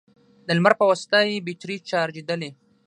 د لمر په واسطه يې بېټرۍ چارجېدلې،